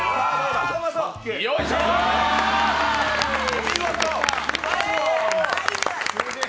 お見事！